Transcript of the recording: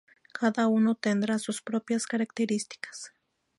Cada uno tendrá sus propias características.